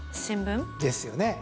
ですよね。